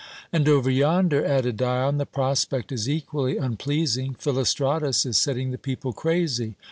"And over yonder," added Dion, "the prospect is equally unpleasing. Philostratus is setting the people crazy.